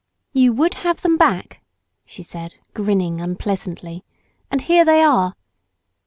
"You would have them back," she said, grinning unpleasantly, "and here they are."